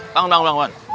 bangun bangun bangun